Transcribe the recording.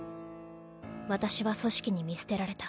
私は組織に見捨てられた。